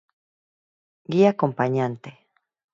Guía acompañante.